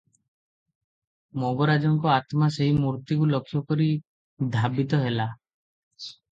ମଙ୍ଗରାଜଙ୍କ ଆତ୍ମା ସେହି ମୂର୍ତ୍ତିକୁ ଲକ୍ଷ୍ୟକରି ଧାବିତ ହେଲା ।